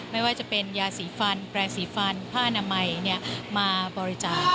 ไม่ว่าจะเป็นยาสีฟันแปลงสีฟันผ้านามัยมาบริจาค